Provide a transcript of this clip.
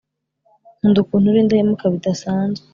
nkunda ukuntu uri indahemuka bidasanzwe